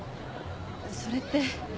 それって。